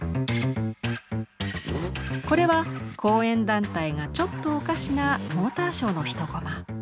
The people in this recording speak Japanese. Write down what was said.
これは後援団体がちょっとおかしなモーターショーの一コマ。